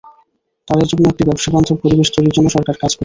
তাঁদের জন্য একটি ব্যবসাবান্ধব পরিবেশ তৈরির জন্য সরকার কাজ করে যাচ্ছে।